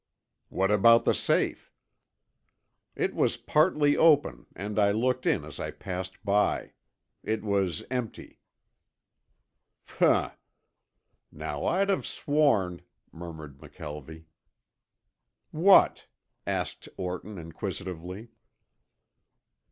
"What about the safe?" "It was partly open and I looked in as I passed. It was empty." "Humph. Now I'd have sworn " murmured McKelvie. "What?" asked Orton inquisitively.